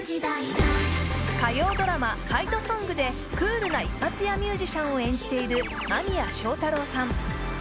火曜ドラマ「ファイトソング」でクールな一発屋ミュージシャンを演じている間宮祥太朗さん